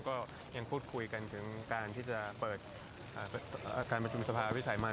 ก็ยังพูดคุยกันถึงการที่จะเปิดการประชุมสภาวิสามัน